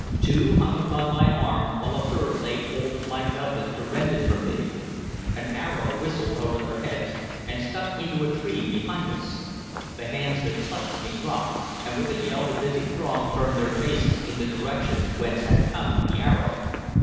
Two hung upon my arms, while a third laid hold of my doublet to rend it from me. An arrow whistled over our heads and stuck into a tree behind us. The hands that clutched me dropped, and with a yell the busy throng turned their faces in the direction whence had come the arrow.